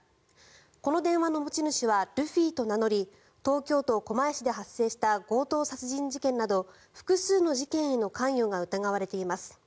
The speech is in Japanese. この電話の持ち主はルフィと名乗り東京都狛江市で発生した強盗殺人事件など複数の事件への関与が疑われています。